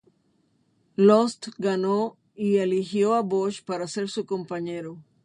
Lost ganó y eligió a Bosh para ser su compañero.